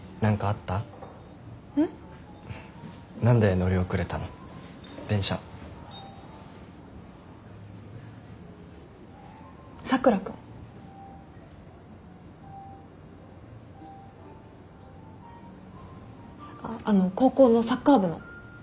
あっあの高校のサッカー部の。